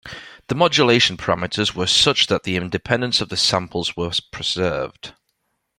The modulation parameters were such that the independence of the samples was preserved.